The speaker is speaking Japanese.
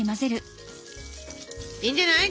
いいんじゃない？